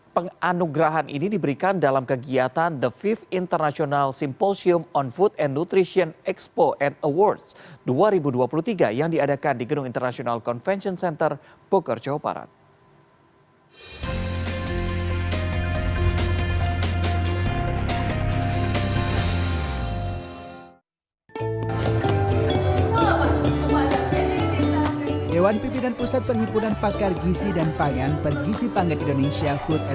penganugerahan ini diberikan dalam kegiatan the fifth international symposium on food and nutrition expo and awards dua ribu dua puluh tiga yang diadakan di genung international convention center poker jawa barat